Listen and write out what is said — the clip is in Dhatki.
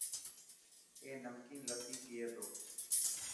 اي نمڪين لسي پئي تو.